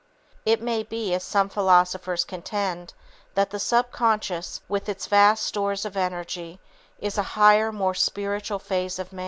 It may be, as some philosophers contend, that the subconscious, with its vast stores of energy, is a higher, more spiritual phase of man.